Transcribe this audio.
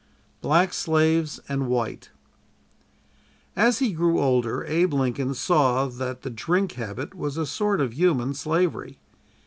BLACK SLAVES AND WHITE As he grew older, Abe Lincoln saw that the drink habit was a sort of human slavery.